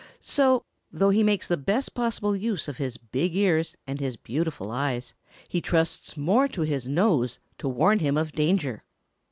So, though he makes the best possible use of his big ears and his beautiful eyes, he trusts more to his nose to warn him of danger.